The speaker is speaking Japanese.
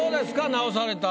直されたら。